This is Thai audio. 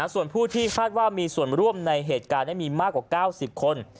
ส่วนผู้ที่คาดว่ามีส่วนร่วมในเหตุการณ์มีมากกว่า๙๐คน